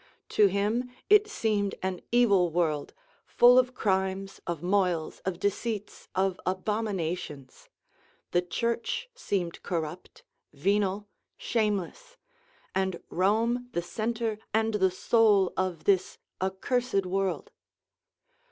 To him it seemed an evil world, full of crimes, of moils, of deceits, of abominations; the Church seemed corrupt, venal, shameless, and Rome the centre and the soul of this accursed world.